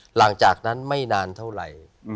หลังจากนั้นไม่นานเท่าไหร่